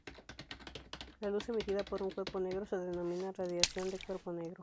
La luz emitida por un cuerpo negro se denomina radiación de cuerpo negro.